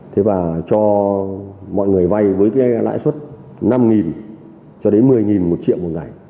thế và cho mọi người vay với cái lãi suất năm cho đến một mươi một triệu một ngày